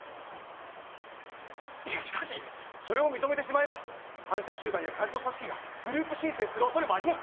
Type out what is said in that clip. いやしかしそれを認めてしまえば反社集団やカルト組織がグループ申請する恐れもあります！